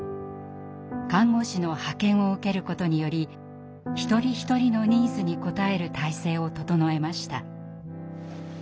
看護師の派遣を受けることにより一人一人のニーズに応える体制を整えました。